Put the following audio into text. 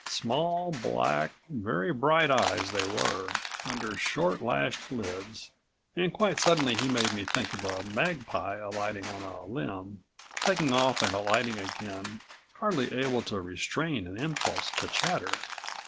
Small, black, very bright eyes they were, under short lashed lids, and quite suddenly he made me think of a magpie alighting on a limb, taking off and alighting again, hardly able to restrain an impulse to chatter.